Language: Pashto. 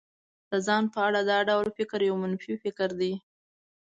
د ځان په اړه دا ډول فکر يو منفي فکر دی.